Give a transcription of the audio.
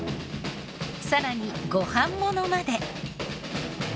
さらにご飯ものまで。